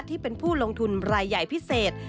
ที่เป็นผู้ลงทุนรายใหญ่พิเศษ